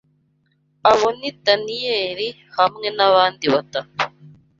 Abo ni Daniyeli hamwe n’abandi batatu